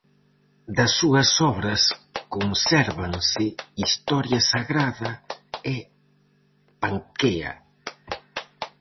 Das súas obras consérvanse "Historia Sagrada" e "Panquea".